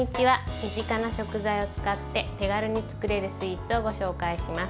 身近な食材を使って手軽に作れるスイーツをご紹介します。